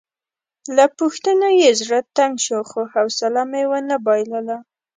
له پوښتنو یې زړه تنګ شو خو حوصله مې ونه بایلله.